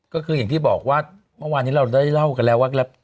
ก็คืออย่างที่บอกว่าเมื่อวานนี้เราได้เล่ากันแล้วว่า